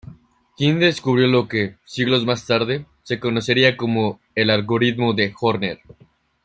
Qin descubrió lo que, siglos más tarde, se conocería como el algoritmo de Horner.